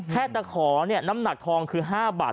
ข้าละคอน้ำหนักทองคือ๒๕บาท